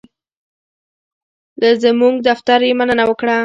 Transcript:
له زمونږ دفتر یې مننه وکړه.